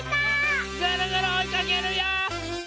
ぐるぐるおいかけるよ！